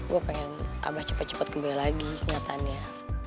gue pengen abah cepet cepet kembali lagi ingatannya